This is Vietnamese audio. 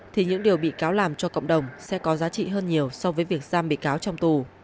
thì những điều bị cáo làm cho cộng đồng sẽ có giá trị hơn nhiều so với việc giam bị cáo trong tù